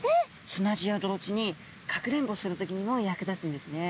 砂地や泥地にかくれんぼする時にも役立つんですね。